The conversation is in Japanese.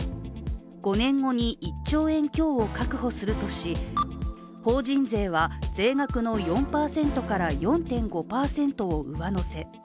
５年後に１兆円強を確保するとし法人税は税額の４％から４．５％を上乗せ。